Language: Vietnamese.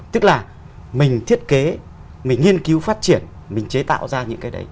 tức là mình thiết kế mình nghiên cứu phát triển mình chế tạo ra những cái đấy